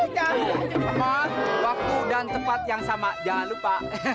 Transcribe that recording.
karena waktu dan tempat yang sama jangan lupa